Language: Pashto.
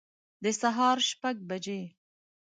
د سهار شپږ بجي